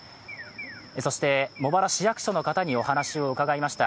そして、茂原市役所の方にお話を伺いました。